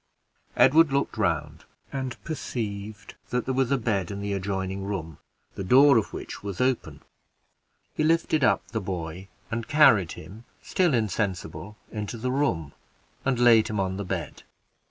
Edward looked round, and perceived that there was a bed in the adjoining room, the door of which was open; he lifted up the boy, and carried him, still insensible, into the room, and laid him on the bed.